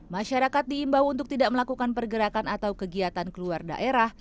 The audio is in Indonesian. masyarakat diimbau untuk tidak melakukan pergerakan atau kegiatan keluar daerah